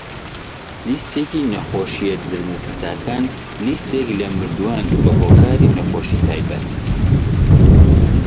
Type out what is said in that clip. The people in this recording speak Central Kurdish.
لیستێکی نەخۆشیە درم و پەتاکان - لیستێک لە مردووان بەهۆکاری نەخۆشی تایبەت.